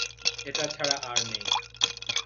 এটা ছাড়া আর নেই।